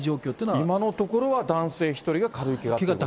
今のところは男性１人が軽いけが。